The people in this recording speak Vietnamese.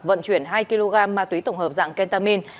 vận chuyển hai kg ma túy tổng hợp dạng kentamin